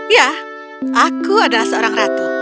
ya aku adalah seorang ratu